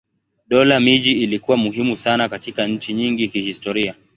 Dola miji ilikuwa muhimu sana katika nchi nyingi kihistoria.